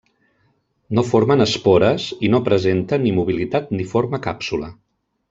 No formen espores i no presenta ni mobilitat ni forma càpsula.